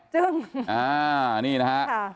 เจ้งอะนี่นะคะ